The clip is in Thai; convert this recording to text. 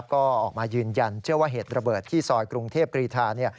ก็ออกมายืนยันเชื่อว่าเหตุระเบิดที่ซอยกรุงเทพกรีธา